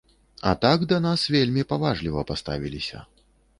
А так да нас вельмі паважліва паставіліся.